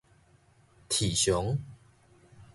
喋常